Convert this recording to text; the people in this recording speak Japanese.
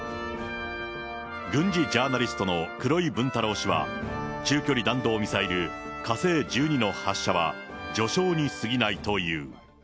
軍事ジャーナリストの黒井文太郎氏は、中距離弾道ミサイル、火星１２の発射は序章にすぎないという。